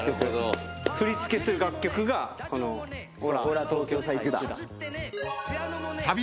振り付けする楽曲がこの『俺ら東京さ行ぐだ』？